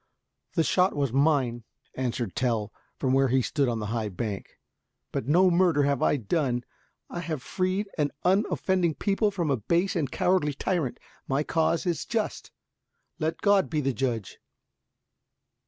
"The shot was mine," answered Tell, from where he stood on the high bank. "But no murder have I done. I have but freed an unoffending people from a base and cowardly tyrant. My cause is just, let God be the judge."